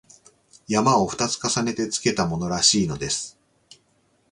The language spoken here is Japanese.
「山」を二つ重ねてつけたものらしいのです